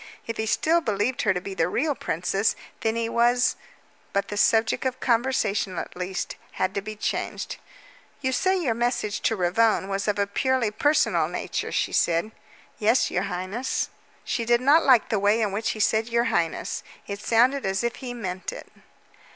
If he still believed her to be the real princess, then he was but the subject of conversation, at least, had to be changed. "You say your message to Ravone was of a purely personal nature," she said. "Yes, your highness." She did not like the way in which he said "your highness." It sounded as if he meant it.